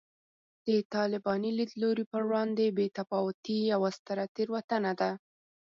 د طالباني لیدلوري پر وړاندې بې تفاوتي یوه ستره تېروتنه ده